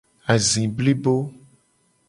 Azi blibo.